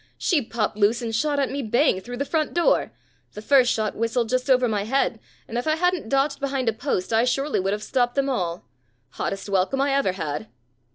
She popped loose and shot at me bang through the front door. The first shot whistled just over my head, and if I hadn't dodged behind a post I surely would have stopped them all. Hottest welcome I ever had."